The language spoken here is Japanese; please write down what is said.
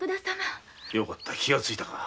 よかった気がついたか。